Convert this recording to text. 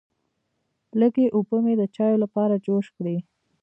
لږې اوبه مې د چایو لپاره جوش کړې.